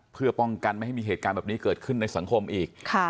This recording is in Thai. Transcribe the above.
เพื่อป้องกันไม่ให้มีเหตุการณ์แบบนี้เกิดขึ้นในสังคมอีก